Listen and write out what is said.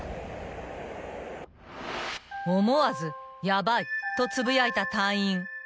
［思わず「ヤバい」とつぶやいた隊員］